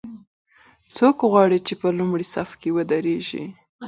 څوک غواړي چې په لومړي صف کې ودریږي؟